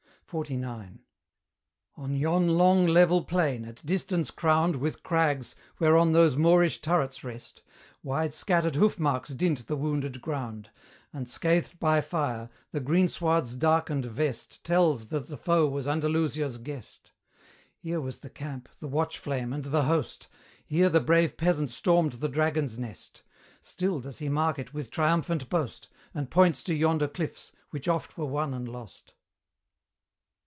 XLIX. On yon long level plain, at distance crowned With crags, whereon those Moorish turrets rest, Wide scattered hoof marks dint the wounded ground; And, scathed by fire, the greensward's darkened vest Tells that the foe was Andalusia's guest: Here was the camp, the watch flame, and the host, Here the brave peasant stormed the dragon's nest; Still does he mark it with triumphant boast, And points to yonder cliffs, which oft were won and lost.